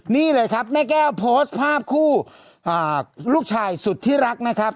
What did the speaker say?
นี่เลยครับแม่แก้วโพสต์ภาพคู่ลูกชายสุดที่รักนะครับ